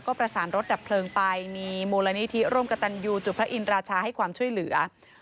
ก็ประสานรถดับเพลิงไปมีมูลนิธิร่วมกับตันยูจุดพระอินราชาให้ความช่วยเหลือ